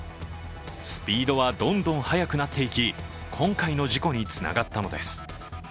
スピードはどんどん速くなっていき今回の事故につながったのです。